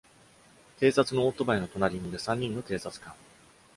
警察のオートバイの隣にいる三人の警察官。